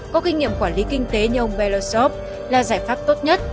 có kinh nghiệm quản lý kinh tế như ông belarusov là giải pháp tốt nhất